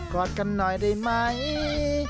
อดกันหน่อยได้ไหม